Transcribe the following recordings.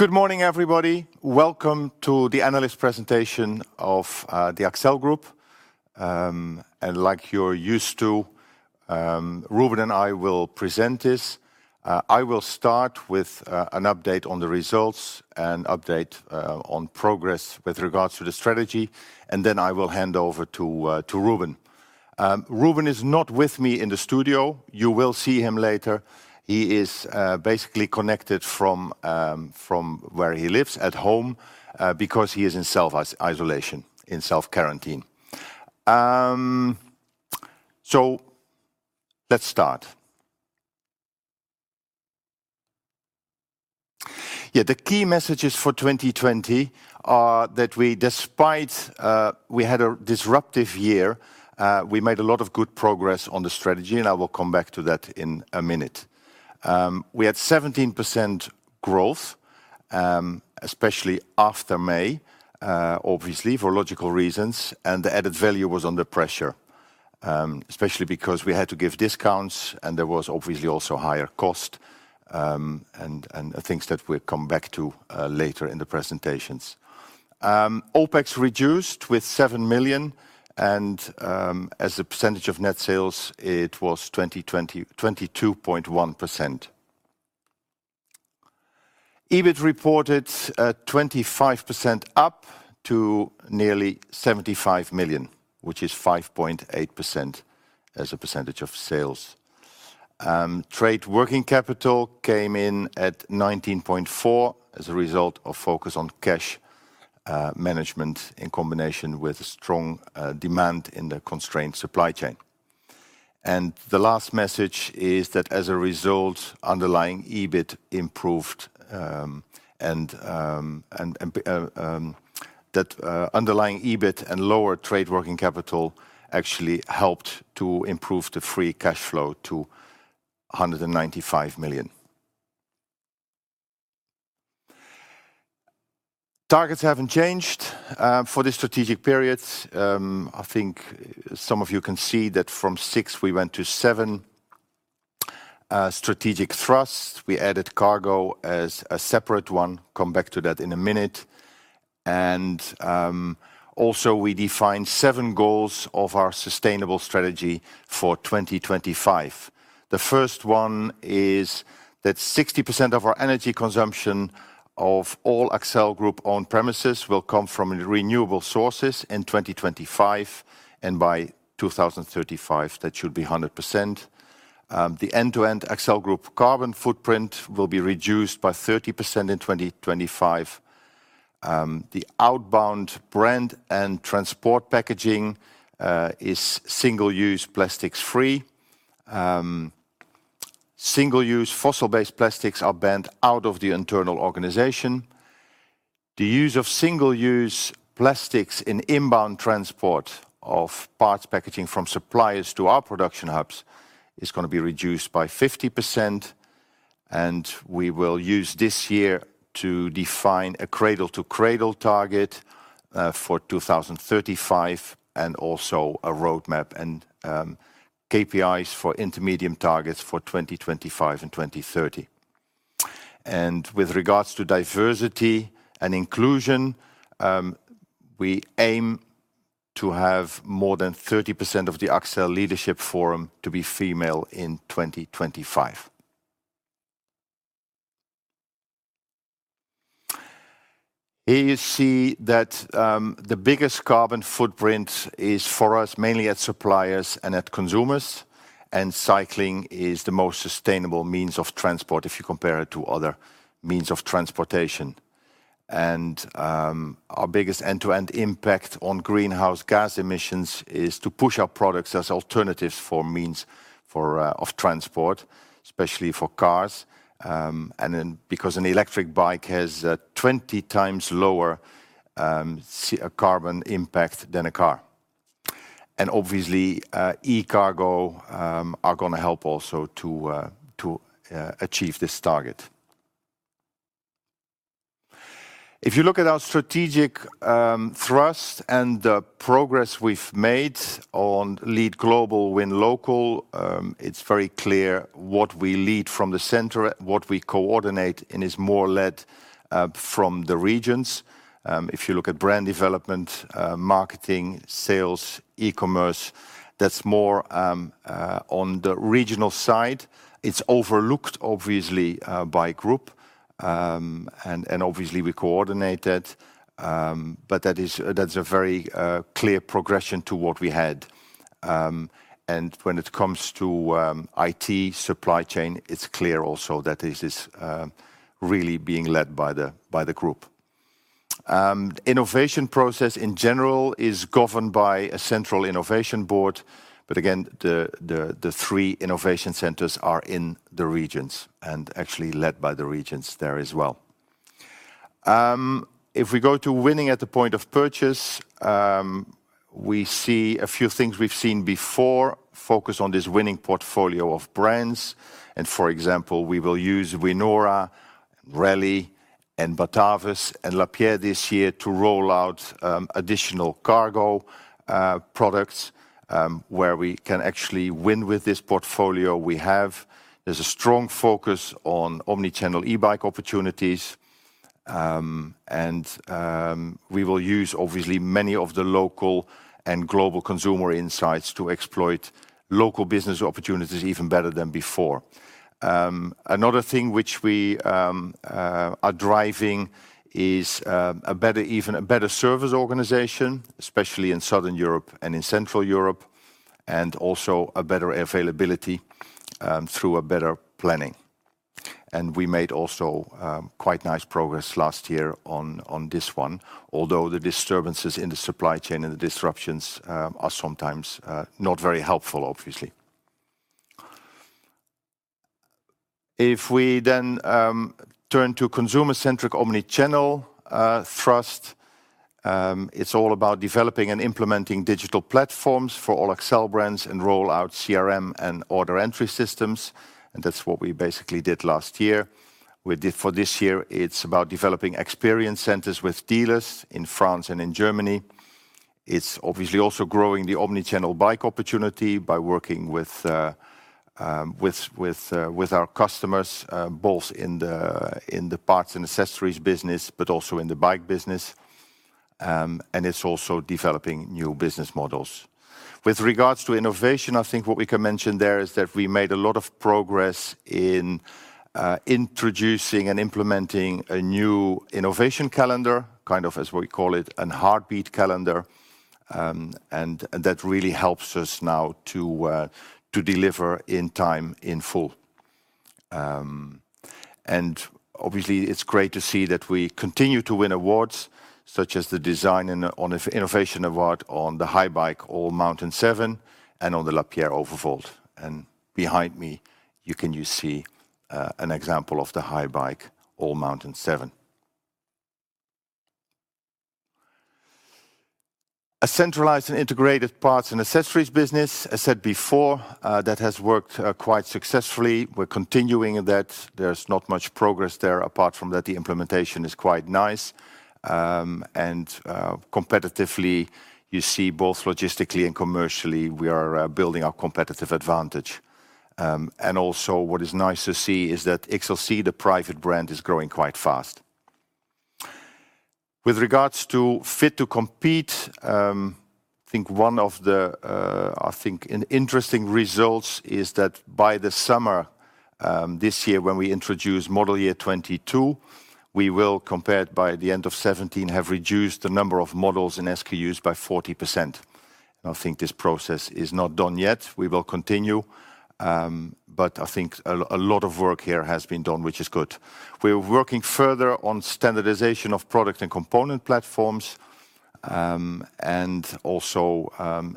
Good morning, everybody. Welcome to the analyst presentation of the Accell Group. Like you're used to, Ruben and I will present this. I will start with an update on the results, an update on progress with regards to the strategy, and then I will hand over to Ruben. Ruben is not with me in the studio. You will see him later. He is basically connected from where he lives at home, because he is in self-isolation, in self-quarantine. Let's start. The key messages for 2020 are that despite we had a disruptive year, we made a lot of good progress on the strategy, and I will come back to that in a minute. We had 17% growth, especially after May, obviously for logical reasons, and the added value was under pressure. Especially because we had to give discounts, and there was obviously also higher costs, and things that we'll come back to later in the presentations. OpEx reduced with 7 million, and as a percentage of net sales, it was 22.1%. EBIT reported 25% up to nearly 75 million, which is 5.8% as a percentage of sales. Trade working capital came in at 19.4 as a result of focus on cash management in combination with strong demand in the constrained supply chain. The last message is that as a result, underlying EBIT improved, and that underlying EBIT and lower Trade working capital actually helped to improve the free cashflow to 195 million. Targets haven't changed for this strategic period. I think some of you can see that from six we went to seven strategic thrusts. We added cargo as a separate one, come back to that in a minute, and also we defined seven goals of our sustainable strategy for 2025. The first one is that 60% of our energy consumption of all Accell Group on premises will come from renewable sources in 2025, and by 2035, that should be 100%. The end-to-end Accell Group carbon footprint will be reduced by 30% in 2025. The outbound brand and transport packaging is single-use plastics free. Single-use fossil-based plastics are banned out of the internal organization. The use of single-use plastics in inbound transport of parts packaging from suppliers to our production hubs is going to be reduced by 50%, and we will use this year to define a Cradle to Cradle target for 2035, and also a roadmap and KPIs for interim targets for 2025 and 2030. With regards to diversity and inclusion, we aim to have more than 30% of the Accell leadership forum to be female in 2025. Here you see that the biggest carbon footprint is for us mainly at suppliers and at consumers. Cycling is the most sustainable means of transport if you compare it to other means of transportation. Our biggest end-to-end impact on greenhouse gas emissions is to push our products as alternatives for means of transport, especially for cars. Because an electric bike has 20 times lower carbon impact than a car. Obviously, e-cargo are going to help also to achieve this target. If you look at our strategic thrust and the progress we've made on lead global, win local, it's very clear what we lead from the center, what we coordinate, and is more led from the regions. If you look at brand development, marketing, sales, e-commerce, that's more on the regional side. It's overlooked obviously, by Group, and obviously we coordinate it, but that's a very clear progression to what we had. When it comes to IT supply chain, it's clear also that it is really being led by the Group. Innovation process in general is governed by a central innovation board, but again, the three innovation centers are in the regions, and actually led by the regions there as well. If we go to winning at the point of purchase, we see a few things we've seen before, focus on this winning portfolio of brands. For example, we will use Winora and Raleigh and Batavus and Lapierre this year to roll out additional cargo products, where we can actually win with this portfolio we have. There's a strong focus on omni-channel e-bike opportunities. We will use obviously many of the local and global consumer insights to exploit local business opportunities even better than before. Another thing which we are driving is even a better service organization, especially in Southern Europe and in Central Europe, and also a better availability through better planning. We made also quite nice progress last year on this one, although the disturbances in the supply chain and the disruptions are sometimes not very helpful, obviously. If we then turn to consumer-centric omni-channel thrust, it's all about developing and implementing digital platforms for all Accell brands and roll out CRM and order entry systems, and that's what we basically did last year. For this year, it's about developing experience centers with dealers in France and in Germany. It's obviously also growing the omni-channel bike opportunity by working with our customers, both in the parts and accessories business, but also in the bike business. It's also developing new business models. With regards to innovation, I think what we can mention there is that we made a lot of progress in introducing and implementing a new innovation calendar, as we call it, a heartbeat calendar, and that really helps us now to deliver in time in full. Obviously, it's great to see that we continue to win awards such as the Design & Innovation Award on the Haibike AllMtn 7 and on the Lapierre Overvolt. Behind me, you see an example of the Haibike AllMtn 7. A centralized and integrated parts and accessories business, as said before, that has worked quite successfully. We're continuing that. There's not much progress there apart from that the implementation is quite nice. Competitively, you see both logistically and commercially, we are building our competitive advantage. What is nice to see is that XLC, the private brand, is growing quite fast. With regards to Fit to Compete, I think an interesting result is that by the summer this year when we introduce model year 2022, we will, compared by the end of 2017, have reduced the number of models and SKUs by 40%. I think this process is not done yet. We will continue. I think a lot of work here has been done, which is good. We're working further on standardization of product and component platforms, and also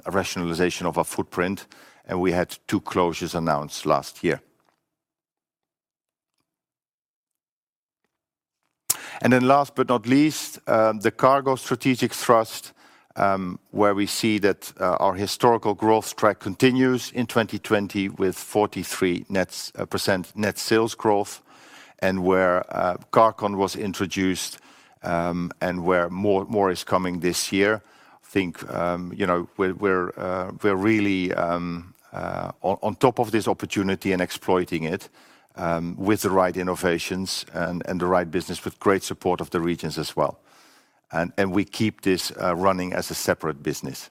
a rationalization of our footprint, and we had two closures announced last year. Last but not least, the Cargo Strategic Thrust, where we see that our historical growth track continues in 2020 with 43% net sales growth, and where Carqon was introduced, and where more is coming this year. I think we're really on top of this opportunity and exploiting it with the right innovations and the right business with great support of the regions as well. We keep this running as a separate business.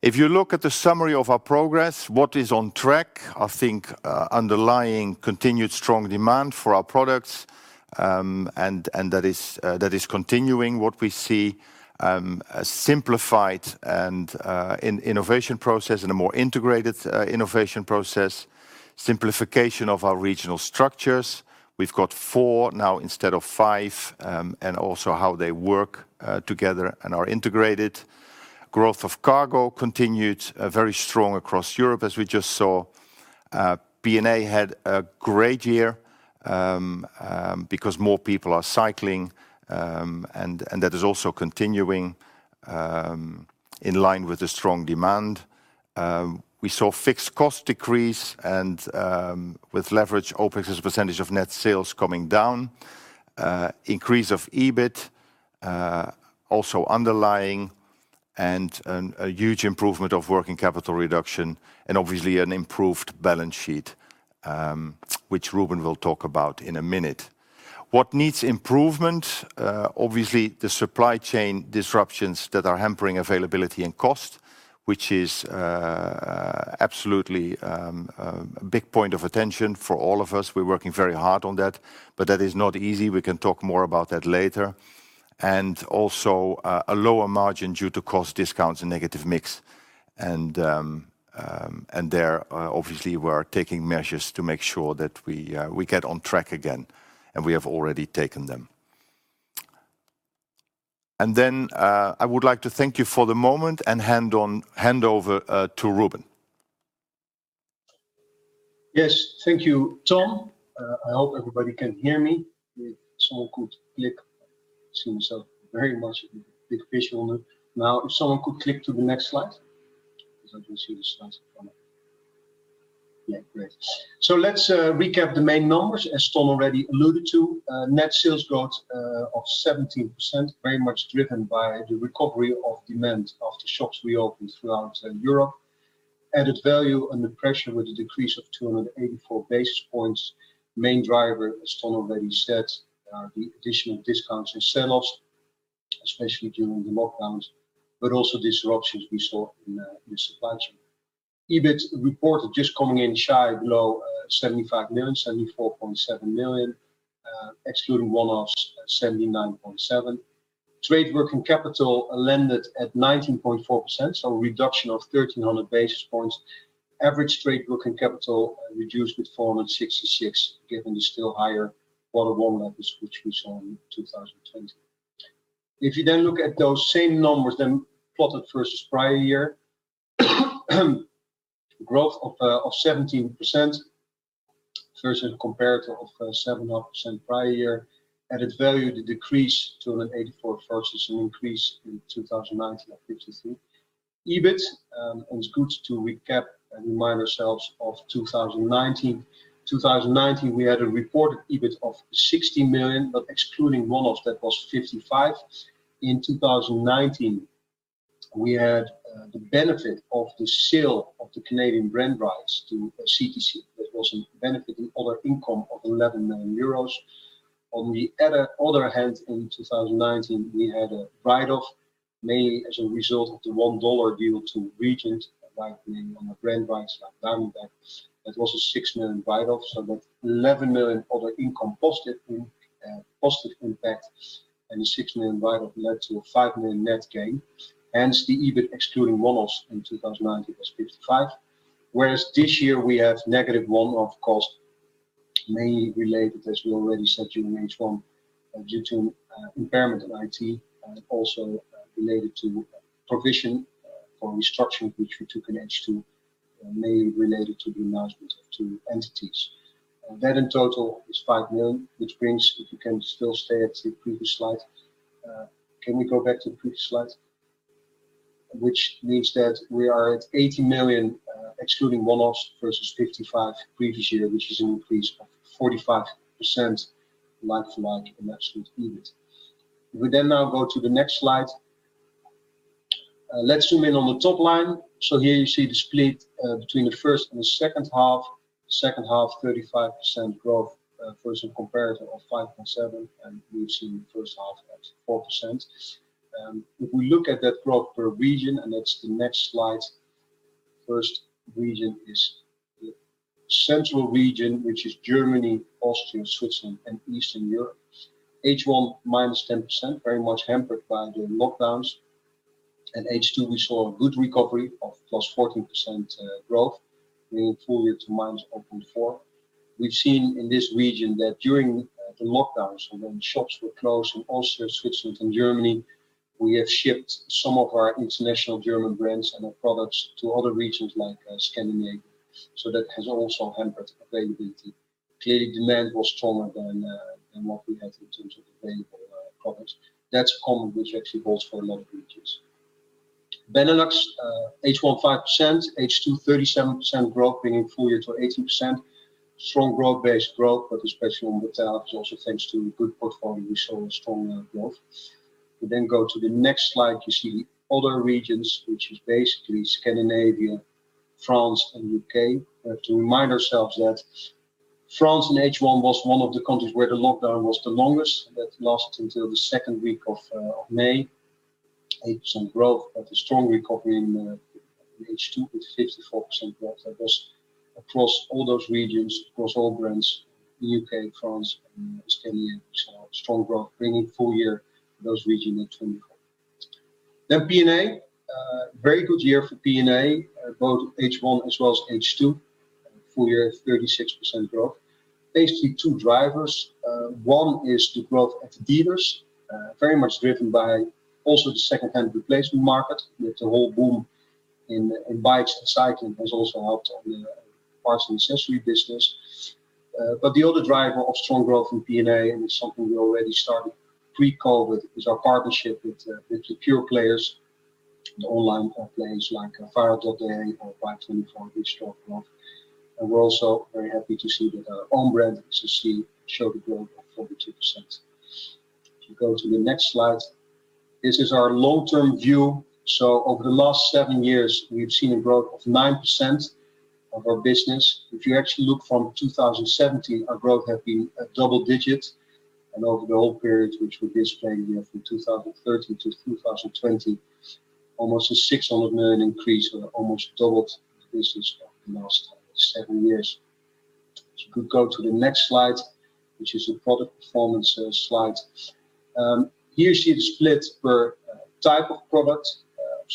If you look at the summary of our progress, what is on track, I think underlying continued strong demand for our products, and that is continuing what we see, a simplified and innovation process and a more integrated innovation process, simplification of our regional structures. We've got four now instead of five, and also how they work together and are integrated. Growth of cargo continued very strong across Europe as we just saw. P&A had a great year because more people are cycling, and that is also continuing in line with the strong demand. We saw fixed cost decrease and with leverage, OpEx as a % of net sales coming down. Increase of EBIT, also underlying, and a huge improvement of working capital reduction, and obviously an improved balance sheet, which Ruben will talk about in a minute. What needs improvement? Obviously, the supply chain disruptions that are hampering availability and cost, which is absolutely a big point of attention for all of us. We're working very hard on that, but that is not easy. We can talk more about that later. Also, a lower margin due to cost discounts and negative mix. There, obviously, we are taking measures to make sure that we get on track again, and we have already taken them. I would like to thank you for the moment and hand over to Ruben. Yes. Thank you, Ton. I hope everybody can hear me. If someone could click. Seems I'm very much big fish on it. If someone could click to the next slide. As you can see the slides are coming. Yeah, great. Let's recap the main numbers, as Ton already alluded to. Net sales growth of 17%, very much driven by the recovery of demand of the shops we opened throughout Europe. Added value under pressure with a decrease of 284 basis points. Main driver, as Ton already said, are the additional discounts and selloffs, especially during the lockdowns, but also disruptions we saw in the supply chain. EBIT reported just coming in shy below 75 million, 74.7 million, excluding one-offs 79.7 million. Trade working capital landed at 19.4%, a reduction of 1,300 basis points. Average trade working capital reduced with 466, given the still higher order volumes, which we saw in 2020. If you look at those same numbers, plotted versus prior year, growth of 17% versus comparator of 7.5% prior year. Added value, the decrease, 284 versus an increase in 2019 of 53. EBIT, it's good to recap and remind ourselves of 2019. 2019, we had a reported EBIT of 60 million, but excluding one-offs, that was 55. In 2019, we had the benefit of the sale of the Canadian brand rights to CTC. That was a benefit in other income of 11 million euros. On the other hand, in 2019, we had a write-off, mainly as a result of the $1 deal to Regent, acquiring on the brand rights like Diamondback. That was a 6 million write-off. That 11 million other income positive impact, and the 6 million write-off led to a 5 million net gain, hence the EBIT excluding one-offs in 2019 was 55 million. Whereas this year we have negative one-off cost, mainly related, as we already said during H1, due to impairment of IT and also related to provision for restructuring, which we took in H2, mainly related to the divestment of two entities. That in total is 5 million, which brings, if you can still stay at the previous slide. Can we go back to the previous slide? Which means that we are at 80 million, excluding one-offs, versus 55 million previous year, which is an increase of 45% like for like in absolute EBIT. If we then now go to the next slide. Let's zoom in on the top line. Here you see the split between the first and the second half. Second half, 35% growth versus comparator of 5.7, and we have seen first half at 4%. If we look at that growth per region, and that's the next slide. First region is the central region, which is Germany, Austria, Switzerland, and Eastern Europe. H1, minus 10%, very much hampered by the lockdowns. In H2, we saw a good recovery of +14% growth, bringing full year to -0.4%. We've seen in this region that during the lockdowns, so when shops were closed in Austria, Switzerland, and Germany, we have shipped some of our international German brands and our products to other regions like Scandinavia. That has also hampered availability. Clearly, demand was stronger than what we had in terms of available products. That's common, which actually goes for a lot of regions. Benelux, H1 5%, H2 37% growth, bringing full year to 18%. Strong growth, but especially on metal, which also thanks to good portfolio, we saw a stronger growth. If we then go to the next slide, you see other regions, which is basically Scandinavia, France, and U.K. We have to remind ourselves that France in H1 was one of the countries where the lockdown was the longest, and that lasted until the second week of May. 8% growth, but a strong recovery in H2 with 54% growth. That was across all those regions, across all brands, the U.K., France, and Scandinavia, which saw strong growth, bringing full year for those regions at 24%. P&A. Very good year for P&A, both H1 as well as H2. Full year at 36% growth. Basically two drivers. One is the growth at the dealers, very much driven by also the second-hand replacement market, with the whole boom in bikes and cycling has also helped on the parts and accessory business. The other driver of strong growth in P&A, and it's something we already started pre-COVID, is our partnership with the pure players, the online players like Bike24, which saw growth. We're also very happy to see that our own brand, XLC, showed a growth of 42%. If you go to the next slide, this is our long-term view. Over the last seven years, we've seen a growth of 9% of our business. If you actually look from 2017, our growth has been double-digit, over the whole period, which we display here from 2013 to 2020, almost a 600 million increase. We almost doubled the business over the last seven years. If you could go to the next slide, which is a product performance slide. Here you see the split per type of product.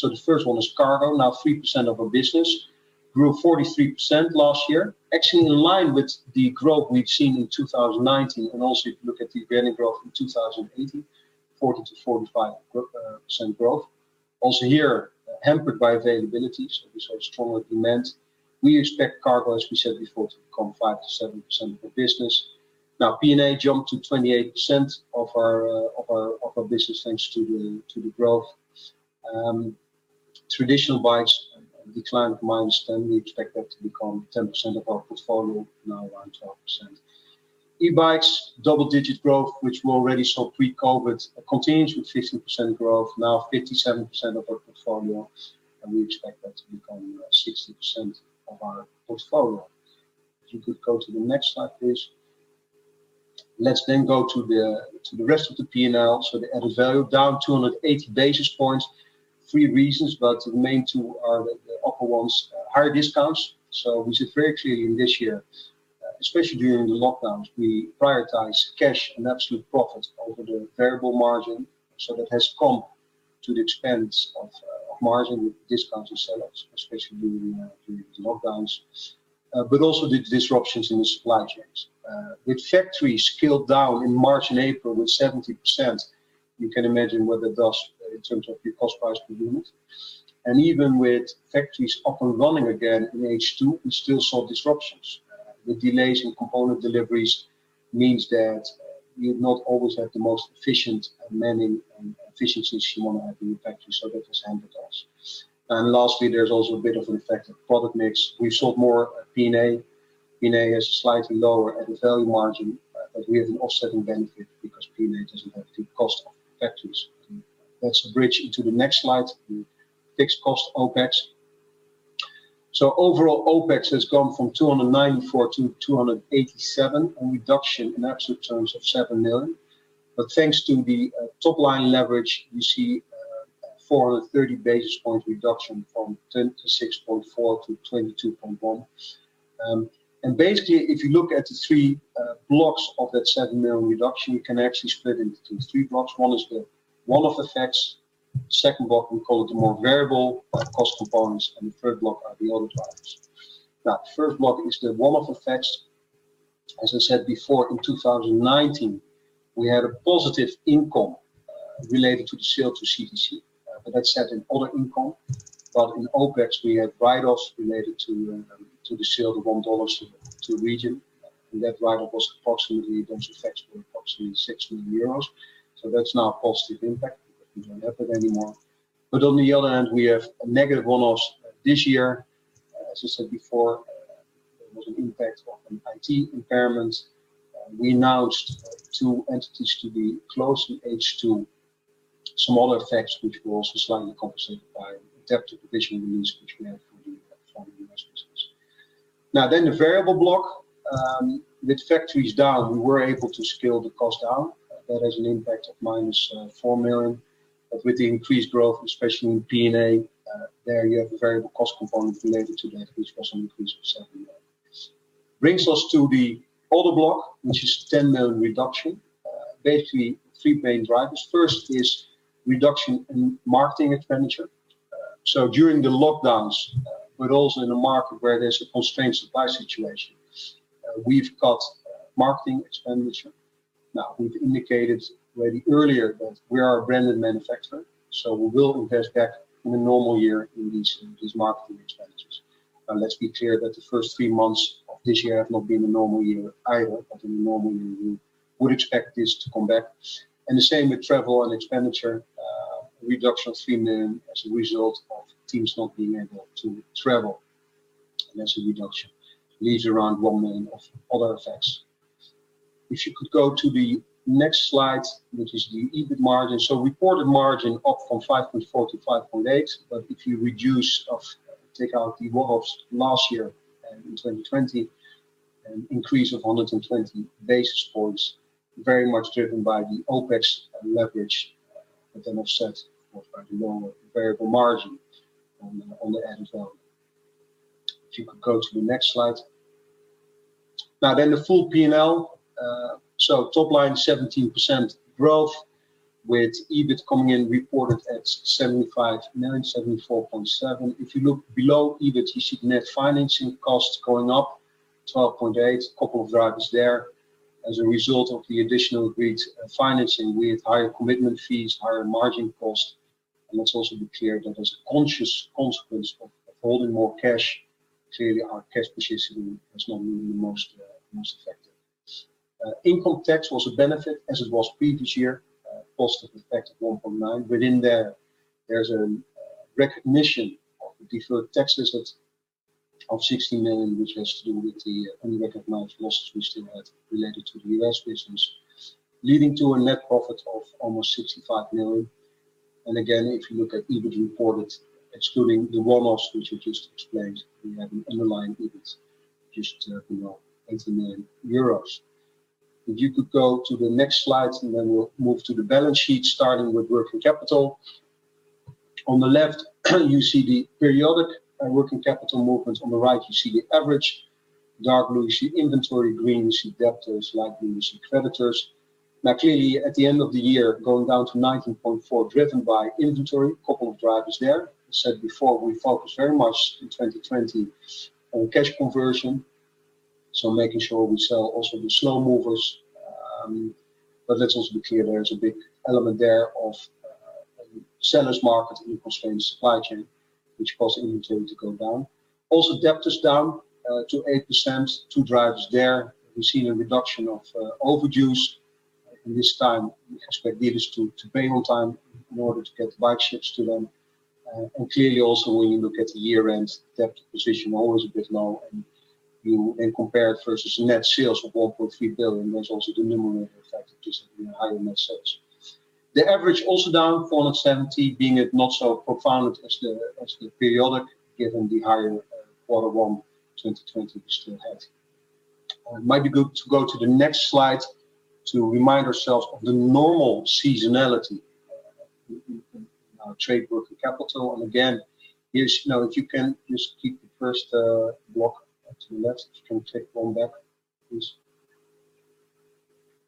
The first one is cargo, now 3% of our business. Grew 43% last year. Actually in line with the growth we'd seen in 2019, and also if you look at the yearly growth in 2018, 40%-45% growth. Also here, hampered by availability. We saw stronger demand. We expect cargo, as we said before, to become 5%-7% of our business. Now P&A jumped to 28% of our business thanks to the growth. Traditional bikes declined -10%. We expect that to become 10% of our portfolio, now around 12%. E-bikes, double-digit growth, which we already saw pre-COVID, continues with 15% growth, now 57% of our portfolio, and we expect that to become 60% of our portfolio. If you could go to the next slide, please. Let's go to the rest of the P&L. The added value down 280 basis points. Three reasons, the main two are the upper ones, higher discounts. We see it very clearly in this year, especially during the lockdowns, we prioritize cash and absolute profit over the variable margin. That has come to the expense of margin discounts and sell-outs, especially during the lockdowns, also the disruptions in the supply chains. With factories scaled down in March and April with 70%, you can imagine what that does in terms of your cost price per unit. Even with factories up and running again in H2, we still saw disruptions. With delays in component deliveries means that you not always have the most efficient manning and efficiency you want to have in your factory. That has hampered us. Lastly, there's also a bit of an effect of product mix. We've sold more P&A. P&A has a slightly lower added value margin, but we have an offsetting benefit because P&A doesn't have the cost of factories. Let's bridge into the next slide. Fixed cost OpEx. Overall, OpEx has gone from 294 million to 287 million, a reduction in absolute terms of 7 million. Thanks to the top-line leverage, you see a 430 basis point reduction from 10% to 6.4% to 22.1%. Basically, if you look at the three blocks of that 7 million reduction, you can actually split into three blocks. One is the one-off effects. Second block, we call it the more variable cost components, and the third block are the other drivers. First block is the one-off effects As I said before, in 2019, we had a positive income related to the sale to CTC. That's set in other income. In OpEx, we had write-offs related to the sale of $1 to Regent. That write-off was approximately, once effected, approximately 6 million euros. That's now a positive impact. We don't have it anymore. On the other hand, we have a negative one-off this year. As I said before, there was an impact of an IT impairment. We announced two entities to be closed in H2. Smaller effects, which were also slightly compensated by adaptive provision release, which we had for the U.S. business. The variable block. With factories down, we were able to scale the cost down. That has an impact of -4 million. With the increased growth, especially in P&A, there you have a variable cost component related to that, which was an increase of 7 million. Brings us to the other block, which is 10 million reduction. Basically three main drivers. First is reduction in marketing expenditure. During the lockdowns, but also in a market where there's a constrained supply situation, we've cut marketing expenditure. Now, we've indicated already earlier that we are a branded manufacturer, we will invest back in a normal year in these marketing expenditures. Let's be clear that the first three months of this year have not been a normal year either. In a normal year, we would expect this to come back. The same with travel and expenditure. Reduction of EUR 3 million as a result of teams not being able to travel. That's a reduction. Leaves around 1 million of other effects. If you could go to the next slide, which is the EBIT margin. Reported margin up from 5.4%-5.8%, but if you take out the one-offs last year and in 2020, an increase of 120 basis points, very much driven by the OpEx leverage that I've said, but the lower variable margin on the added value. If you could go to the next slide. The full P&L. Top line, 17% growth with EBIT coming in reported at 75.9, 74.7. If you look below EBIT, you see net financing costs going up 12.8. A couple of drivers there. As a result of the additional agreed financing with higher commitment fees, higher margin cost, and let's also be clear that as a conscious consequence of holding more cash, clearly our cash position has not been the most effective. Income tax was a benefit, as it was previous year. A positive effect of 1.9. Within there's a recognition of deferred tax assets of 16 million, which has to do with the unrecognized losses we still had related to the U.S. business. Leading to a net profit of almost 65 million. Again, if you look at EBIT reported, excluding the one-offs, which I just explained, we have an underlying EBIT just below 18 million euros. If you could go to the next slide, then we'll move to the balance sheet, starting with working capital. On the left, you see the periodic working capital movement. On the right, you see the average. Dark blue, you see inventory. Green, you see debtors. Light blue, you see creditors. Clearly at the end of the year, going down to 19.4, driven by inventory. A couple of drivers there. I said before, we focused very much in 2020 on cash conversion. Making sure we sell also the slow movers. Let's also be clear, there is a big element there of seller's market in a constrained supply chain, which caused inventory to go down. Also, debtors down to 8%, two drivers there. We've seen a reduction of overages in this time. We expect dealers to pay on time in order to get bike ships to them. Clearly also, when you look at the year-end debt position, always a bit low, and you then compare it versus net sales of 1.3 billion. There's also the numerator effect of just having a higher net sales. The average also down 470, being not so profound as the periodic, given the higher Q1 2020 we still had. It might be good to go to the next slide to remind ourselves of the normal seasonality in our trade working capital. Again, if you can just keep the first block or two. You can take one back, please.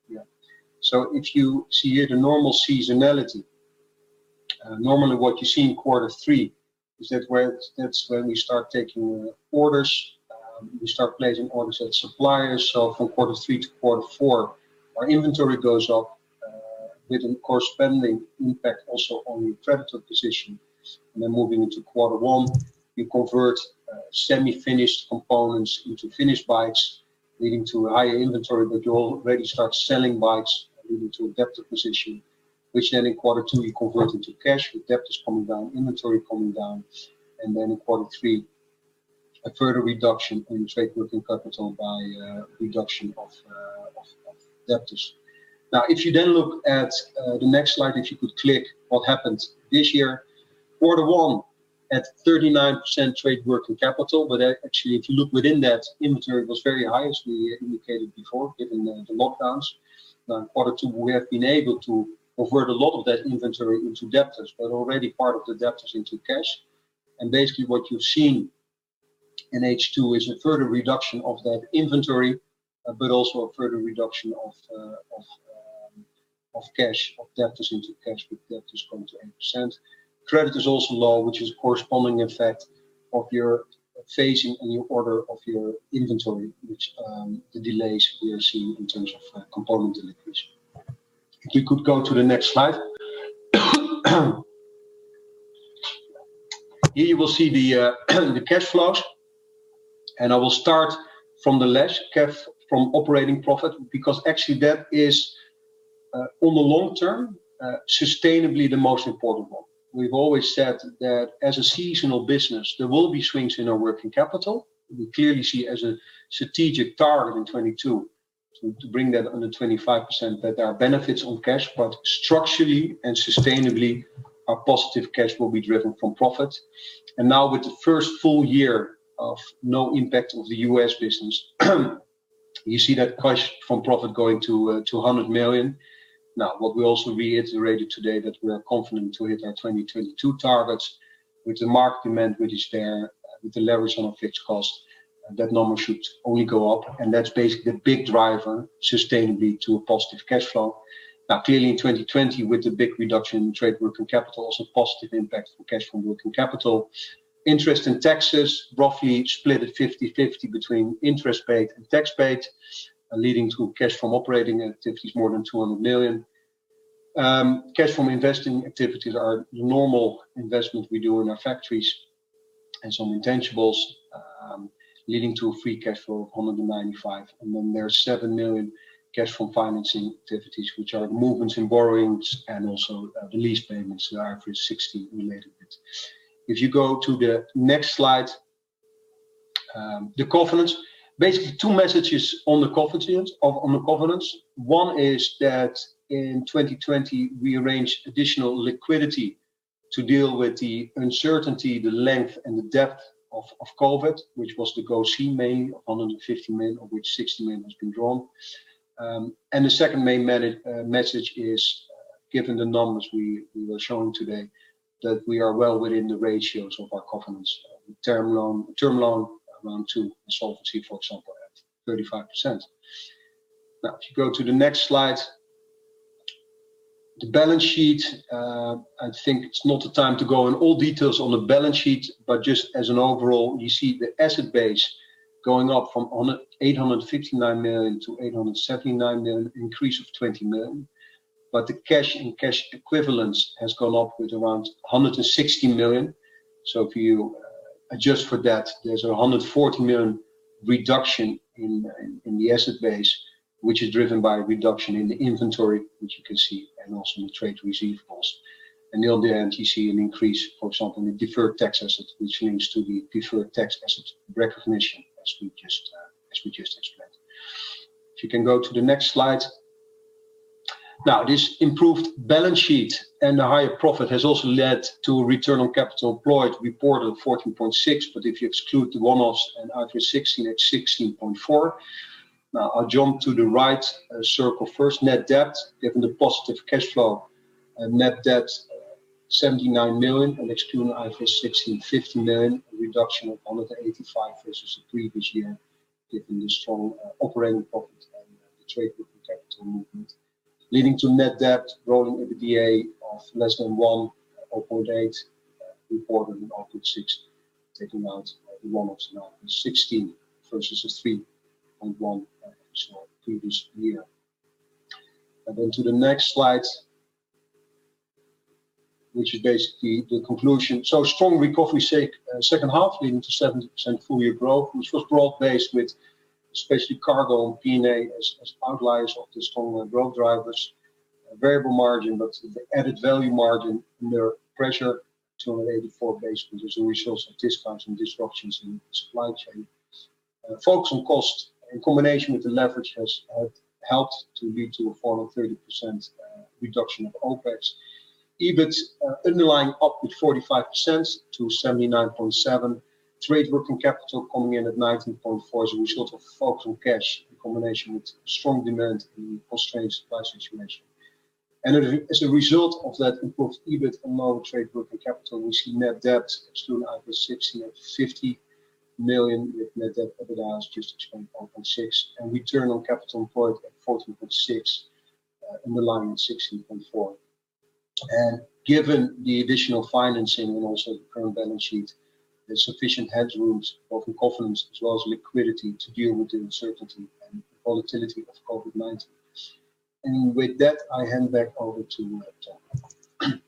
Yeah. If you see here the normal seasonality, normally what you see in quarter three is that's when we start taking orders. We start placing orders at suppliers. From quarter three to quarter four, our inventory goes up, with a corresponding impact also on the credit position. Moving into quarter one, we convert semi-finished components into finished bikes, leading to a higher inventory, but you already start selling bikes, leading to a debtor position, which then in quarter two, you convert into cash. The debt is coming down, inventory coming down. In quarter three, a further reduction in trade working capital by reduction of debtors. If you then look at the next slide, if you could click, what happened this year, quarter one at 39% trade working capital. If you look within that, inventory was very high, as we indicated before, given the lockdowns. In quarter two, we have been able to convert a lot of that inventory into debtors, but already part of the debtors into cash. What you're seeing in H2 is a further reduction of that inventory, but also a further reduction of debtors into cash, with debtors coming to 8%. Credit is also low, which is a corresponding effect of your phasing a new order of your inventory, which the delays we are seeing in terms of component deliveries. If you could go to the next slide. Here you will see the cash flows. I will start from the left, cash from operating profit, because actually that is, on the long term, sustainably the most important one. We've always said that as a seasonal business, there will be swings in our working capital. We clearly see as a strategic target in 2022 to bring that under 25%, that there are benefits on cash, but structurally and sustainably, our positive cash will be driven from profit. Now with the first full year of no impact of the U.S. business, you see that cash from profit going to 100 million. What we also reiterated today that we are confident to hit our 2022 targets. With the market demand, with the leverage on our fixed cost, that number should only go up. That's basically the big driver sustainably to a positive cash flow. Clearly in 2020, with the big reduction in trade working capital, also positive impact from cash from working capital. Interest and taxes, roughly split at 50/50 between interest paid and tax paid, leading to cash from operating activities more than 200 million. Cash from investing activities are the normal investment we do in our factories and some intangibles, leading to a free cash flow of 195. There's 7 million cash from financing activities, which are movements in borrowings and also the lease payments that are for 60 related bits. If you go to the next slide. The covenants. Basically, two messages on the covenants. One is that in 2020, we arranged additional liquidity to deal with the uncertainty, the length, and the depth of COVID, which was the gross in May of 150 million, of which 60 million has been drawn. The second main message is, given the numbers we were showing today, that we are well within the ratios of our covenants. The term loan around two, and solvency, for example, at 35%. If you go to the next slide. The balance sheet. I think it's not the time to go in all details on the balance sheet, but just as an overall, you see the asset base going up from 859 million to 879 million, increase of 20 million. The cash and cash equivalents has gone up with around 160 million. If you adjust for debt, there's a 140 million reduction in the asset base, which is driven by a reduction in the inventory, which you can see, and also in the trade receivables. The other end, you see an increase, for example, in the deferred tax assets, which links to the deferred tax asset recognition, as we just explained. If you can go to the next slide. This improved balance sheet and the higher profit has also led to a return on capital employed reported 14.6%, but if you exclude the one-offs and IFRS 16, it's 16.4%. I'll jump to the right circle first, net debt. Given the positive cash flow, net debt 79 million, and excluding IFRS 16, 50 million, a reduction of 185 million versus the previous year, given the strong operating profit and the trade working capital movement, leading to net debt, rolling EBITDA of less than one, 0.8 reported an 0.6, taking out the one of 16 versus a 3.1 of the previous year. Then to the next slide, which is basically the conclusion. Strong recovery, second half leading to 70% full year growth, which was broad-based with especially cargo and P&A as outliers of this strong growth drivers. Variable margin, the added value margin under pressure 284 basis as a result of discounts and disruptions in the supply chain. Focus on cost in combination with the leverage has helped to lead to a fall of 30% reduction of OpEx. EBIT underlying up with 45% to 79.7. Trade working capital coming in at 19.4 as a result of focus on cash in combination with strong demand in constrained supply situation. As a result of that improved EBIT and now trade working capital, we see net debt stood at 50 million, with net debt to EBITDA just 0.6. Return on capital employed at 14.6%, underlying 16.4%. Given the additional financing and also the current balance sheet, there's sufficient headrooms for confidence as well as liquidity to deal with the uncertainty and volatility of COVID-19. With that, I hand back over to Ton.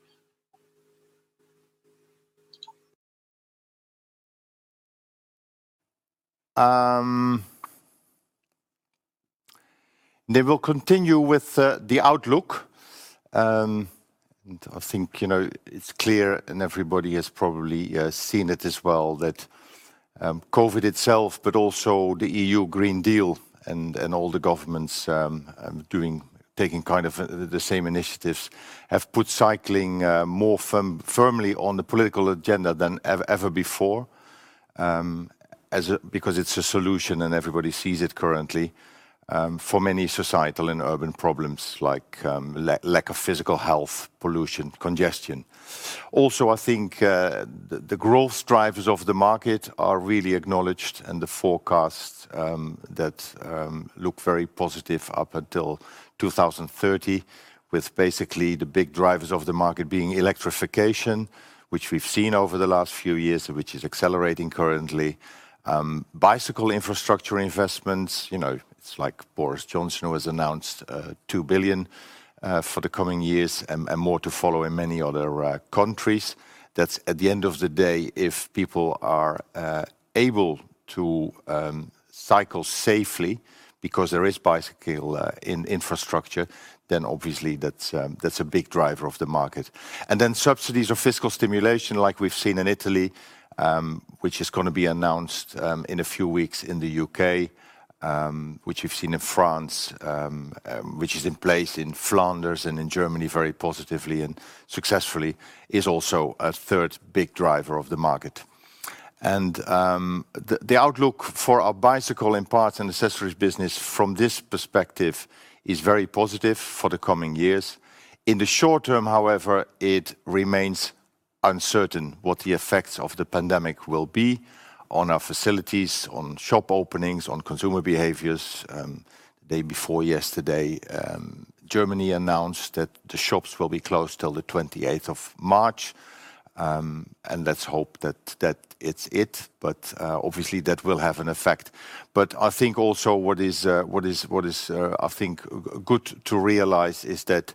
We'll continue with the outlook. I think it's clear and everybody has probably seen it as well that COVID itself, but also the European Green Deal and all the governments taking the same initiatives, have put cycling more firmly on the political agenda than ever before, because it's a solution and everybody sees it currently for many societal and urban problems like lack of physical health, pollution, congestion. Also, I think the growth drivers of the market are really acknowledged and the forecasts that look very positive up until 2030, with basically the big drivers of the market being electrification, which we've seen over the last few years, which is accelerating currently, bicycle infrastructure investments, like Boris Johnson has announced 2 billion for the coming years and more to follow in many other countries. That's at the end of the day, if people are able to cycle safely because there is bicycle infrastructure, then obviously that's a big driver of the market. Then subsidies or fiscal stimulation like we've seen in Italy, which is going to be announced in a few weeks in the U.K., which we've seen in France, which is in place in Flanders and in Germany very positively and successfully, is also a third big driver of the market. The outlook for our bicycle and parts and accessories business from this perspective is very positive for the coming years. In the short term, however, it remains uncertain what the effects of the pandemic will be on our facilities, on shop openings, on consumer behaviors. Day before yesterday, Germany announced that the shops will be closed till the 28th of March, and let's hope that it's it, but obviously that will have an effect. I think also what is good to realize is that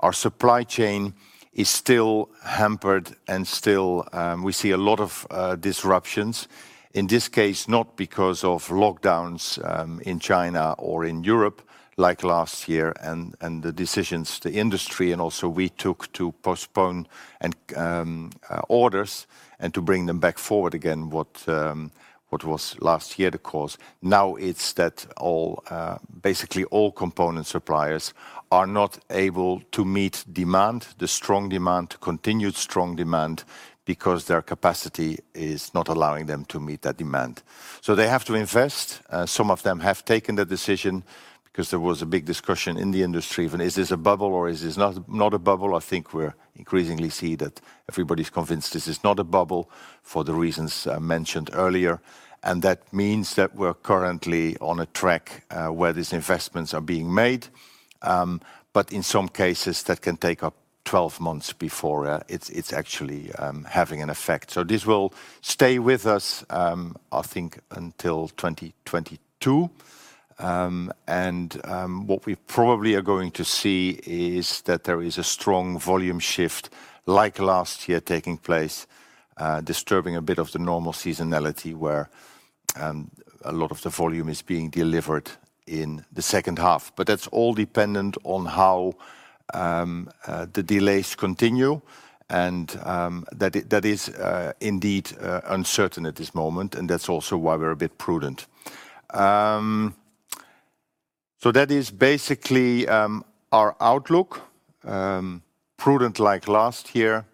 our supply chain is still hampered and still we see a lot of disruptions. In this case, not because of lockdowns in China or in Europe like last year and the decisions the industry and also we took to postpone orders and to bring them back forward again, what was last year the cause. Now it's that basically all component suppliers are not able to meet demand, the strong demand, continued strong demand, because their capacity is not allowing them to meet that demand. They have to invest. Some of them have taken the decision because there was a big discussion in the industry. Is this a bubble or is this not a bubble? I think we increasingly see that everybody's convinced this is not a bubble for the reasons I mentioned earlier. That means that we're currently on a track where these investments are being made. In some cases, that can take up to 12 months before it's actually having an effect. This will stay with us, I think, until 2022. What we probably are going to see is that there is a strong volume shift like last year taking place, disturbing a bit of the normal seasonality where a lot of the volume is being delivered in the second half. That's all dependent on how the delays continue, and that is indeed uncertain at this moment, and that's also why we're a bit prudent. That is basically our outlook. Prudent like last year,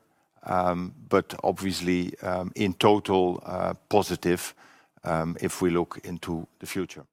obviously, in total, positive if we look into the future.